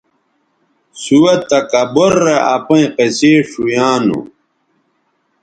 سُوہ تکبُر رے اپئیں قصے ݜؤیانوں